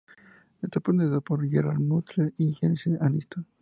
Está protagonizada por Gerard Butler y Jennifer Aniston.